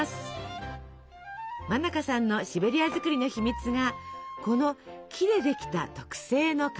馬中さんのシベリア作りの秘密がこの木でできた特製の型。